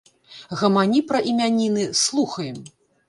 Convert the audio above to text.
Гамані пра імяніны, слухаем.